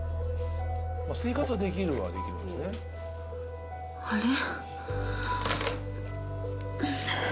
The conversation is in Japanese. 生活はできるのはできるんですねあれ？